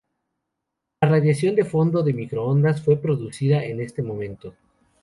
La radiación de fondo de microondas fue producida en este momento.